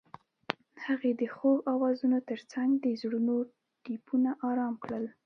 هغې د خوږ اوازونو ترڅنګ د زړونو ټپونه آرام کړل.